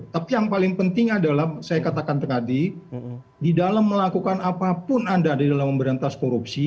tapi yang paling penting adalah saya katakan tadi di dalam melakukan apapun anda di dalam memberantas korupsi